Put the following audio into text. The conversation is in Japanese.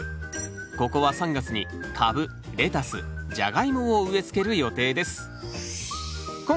ここは３月にカブレタスジャガイモを植えつける予定です。